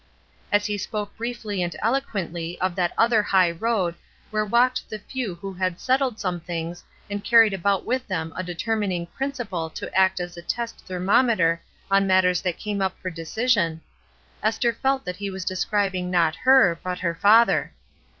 As he spoke briefly and elo quently of that other high road where walked the few who had settled some things and carried about with them a determining principle to act as a test thermometer on matters that came up for decision, Esther felt that he was describing not her, but her father.